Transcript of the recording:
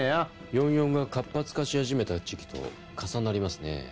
４４が活発化し始めた時期と重なりますね。